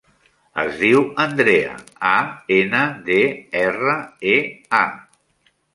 Es diu Andrea: a, ena, de, erra, e, a.